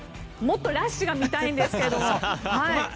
もっとラッシュが見たいんですけど。